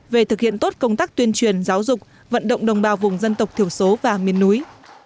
về thực hiện tốt công tác tuyên truyền giáo dục vận động đồng bào vùng dân tộc thiểu số và miền núi